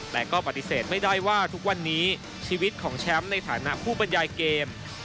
แต่ก็ปฏิเสธไม่ได้ว่าทุกวันนี้ชีวิตของแชมป์ในฐานะผู้บรรยายเกม